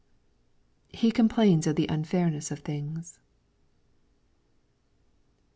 He complains of the unfairness of things.